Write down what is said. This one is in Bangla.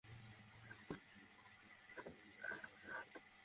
সেগুলো যদি যোগ্যতার শর্ত অনুযায়ী হয়ে থাকে, তবে প্রতিটি পুনর্বিবেচনা করব।